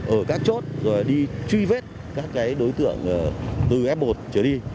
ở các chốt đi truy vết các đối tượng từ f một trở đi